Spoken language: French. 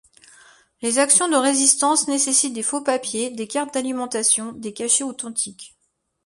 Les actions de résistance nécessitent des faux papiers, des cartes d'alimentation, des cachets authentiques.